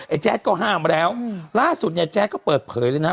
ไอ้แจ๊นท์ก็ห้ามแล้วอืมล่าสุดเนี้ยแจ๊ก็เปิดเผยเลยน่ะ